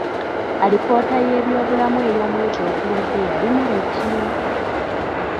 Alipoota y'ebyobulamu ey'omwezi oguwedde yalimu biki?